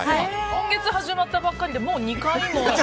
今月始まったばかりでもう２回も。